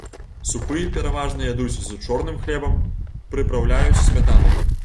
Супы пераважна ядуць з чорным хлебам, прыпраўляюць смятанай.